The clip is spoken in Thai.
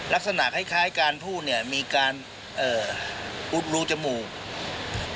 ลักษณะคล้ายคล้ายการพูดเนี่ยมีการเอ่ออุดรูจมูก